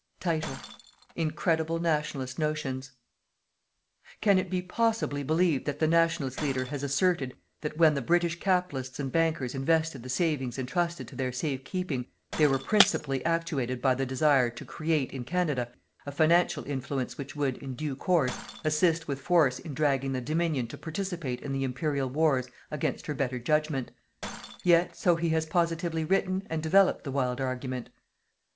INCREDIBLE "NATIONALIST" NOTIONS. Can it be possibly believed that the "Nationalist" leader has asserted that when the British capitalists and bankers invested the savings entrusted to their safe keeping, they were principally actuated by the desire to create in Canada a financial influence which would, in due course, assist with force in dragging the Dominion to participate in the Imperial wars against her better judgment? Yet, so he has positively written and developed the wild argument.